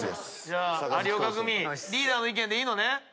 じゃあ有岡組リーダーの意見でいいのね？